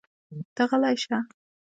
ته غلی شه!